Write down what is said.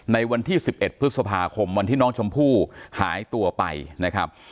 ในวันที่๑๑พฤษภาคมวันที่น้องชมพู่หายตัวไปนะครับ